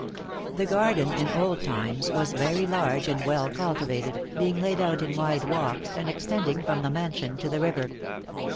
The garden in old times was very large and well cultivated, being laid out in wide walks, and extending from the mansion to the river.